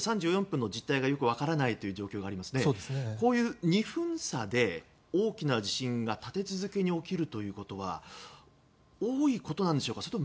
３４分の実態がよく分からない状況ですがこういう２分差で大きな地震が立て続けに起きるということは多いことなんでしょうか。